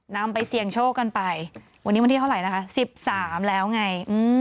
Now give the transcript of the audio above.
นำไปเสี่ยงโชคกันไปวันนี้วันที่เท่าไหร่นะคะ๑๓แล้วไง